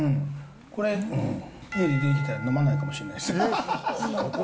これ、家で出てきたら飲まないかもしれないですね。